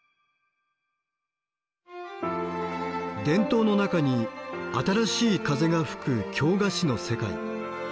伝統の中に新しい風が吹く京菓子の世界。